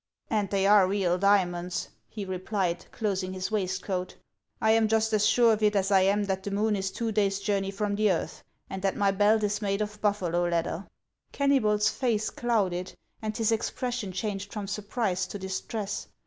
" And they are real diamonds," he replied^ closing his waistcoat. "I am just as sure of it as I am that the moon is two days' journey from the earth, and that my belt is made of buffalo leather." o80 HAXS OF ICKLAXJ). Kennybol's lace clouded, and his expression changed from surprise to distress.